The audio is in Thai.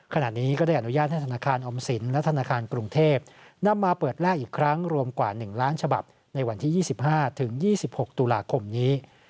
ขณะนี้ก็ได้อนุญาตให้ธนาคารออมสินและธนาคารกรุงเทพนำมาเปิดแลกอีกครั้งรวมกว่า๑ล้านฉบับในวันที่๒๕๒๖ตุลาคมนี้